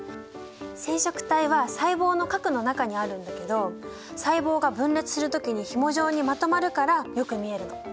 染色体は細胞の核の中にあるんだけど細胞が分裂する時にひも状にまとまるからよく見えるの。